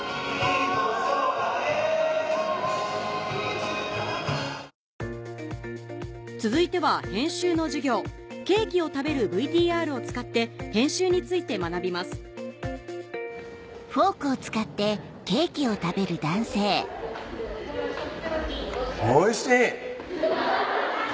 空へ続いてはケーキを食べるＶＴＲを使って編集について学びますおいしい！